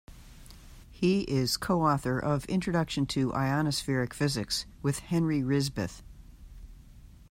He is co-author of "Introduction to Ionospheric Physics" with Henry Rishbeth.